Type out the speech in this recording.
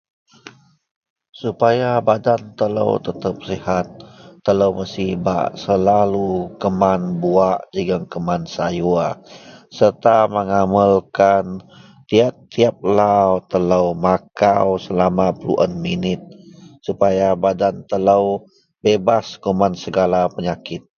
Supaya badan telo tetep sihat, telo mesti bak selalu keman buwak serta keman sayur, serta mengamalkan tiap lau telo makau selama peluen minit supaya badan telo bebas kuman segala penyakit.